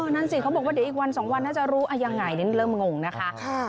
นั่นสิเขาบอกว่าเดี๋ยวอีกวัน๒วันน่าจะรู้ยังไงนี่เริ่มงงนะคะ